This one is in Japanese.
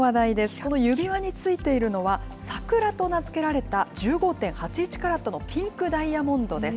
この指輪についているのは、サクラと名付けられた１５．８１カラットのピンクダイヤモンドです。